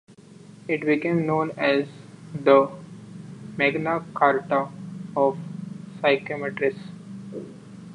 It became known as the Magna Carta of Psychrometrics.